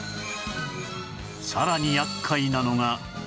さらに厄介なのが